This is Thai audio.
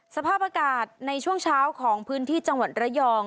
สภาพอากาศในช่วงเช้าของพื้นที่จังหวัดระยอง